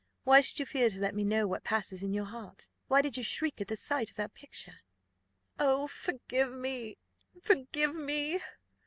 Why should you fear to let me know what passes in your heart? Why did you shriek at the sight of that picture?" "Oh, forgive me! forgive me!"